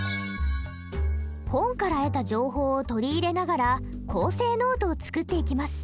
本から得た情報を取り入れながら構成ノートを作っていきます。